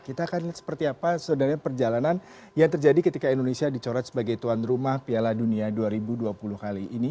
kita akan lihat seperti apa sebenarnya perjalanan yang terjadi ketika indonesia dicoret sebagai tuan rumah piala dunia dua ribu dua puluh kali ini